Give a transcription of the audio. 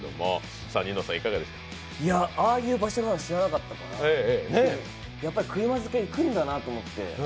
ああいう場所なの、知らなかったから車好き、行くんだなと思って。